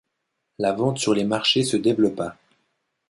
La vente sur les marchés se développa.